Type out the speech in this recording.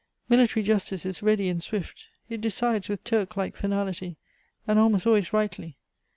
Military justice is ready and swift; it decides with Turk like finality, and almost always rightly.